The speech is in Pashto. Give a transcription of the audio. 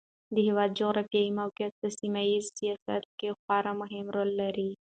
د هېواد جغرافیایي موقعیت په سیمه ییز سیاست کې خورا مهم رول لري.